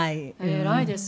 偉いです。